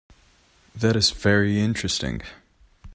That is very interesting.